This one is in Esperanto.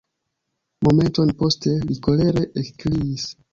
Momenton poste li kolere ekkriis: